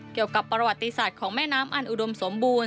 เกี่ยวกับประวัติศาสตร์ของแม่น้ำอันอุดมสมบูรณ